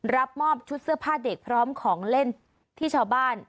รับมอบชุดเสื้อผ้าเด็กพร้อมของเล่นที่ชาวบ้าน